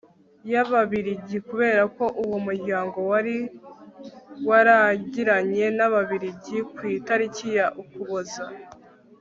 y'ababiligi kubera ko uwo muryango wari waragiranye n'ababiligi, kw'itariki ya ukuboza